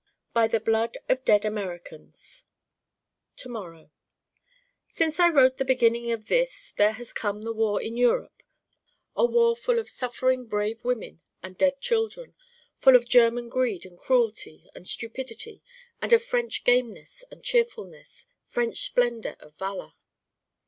By the blood of dead Americans To morrow Since I wrote the beginning of this there has come the war in Europe: a war full of suffering brave women and dead children: full of German greed and cruelty and stupidity and of French gameness and cheerfulness, French splendor of valor.